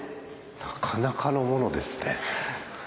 なかなかのものですね。